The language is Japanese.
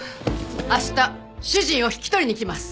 明日主人を引き取りに来ます。